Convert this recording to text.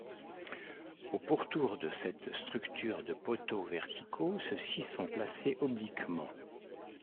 Au pourtour de cette structure de poteaux verticaux ceux-ci sont placés obliquement.